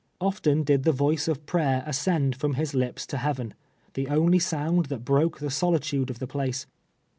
Often did the voice of prayer ascend from his lips to heaven, the only sound that broke the solitude of the place.